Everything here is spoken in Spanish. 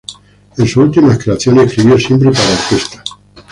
En sus últimas creaciones, escribió siempre para orquesta.